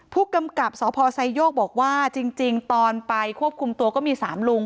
พศพไซโยบบอกว่าจริงตอนไปควบคุมตัวก็มี๓ลุง